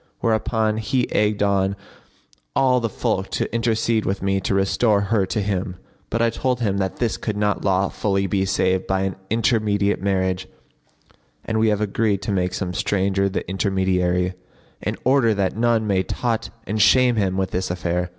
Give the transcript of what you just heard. Whereupon he egged on all the folk to intercede with me to restore her to him; but I told him that this could not lawfully be save by an intermediate marriage, and we have agreed to make some stranger the intermediary[FN#54] in order that none may taunt and shame him with this affair.